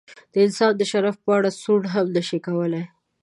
د انسان د شرف په اړه سوڼ هم نشي کولای.